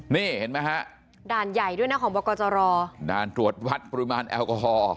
นี่เห็นไหมฮะด่านใหญ่ด้วยนะของบกจรด่านตรวจวัดปริมาณแอลกอฮอล